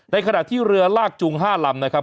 ขณะที่เรือลากจูง๕ลำนะครับ